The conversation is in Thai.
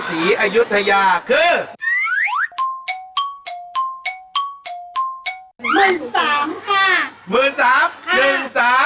แม่แม่ดูไทยรัฐทีวีหรือเปล่า